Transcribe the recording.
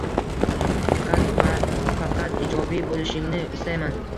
Faqat va faqat iyjobiy boʻlishingni istayman.